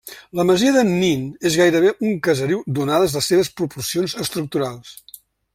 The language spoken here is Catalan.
La masia d'en Nin és gairebé un caseriu donades les seves proporcions estructurals.